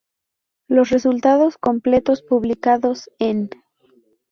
Los resultados completos publicados enː